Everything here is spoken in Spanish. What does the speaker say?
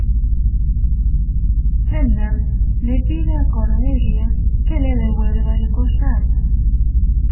Xander le pide a Cordelia que le devuelva el collar.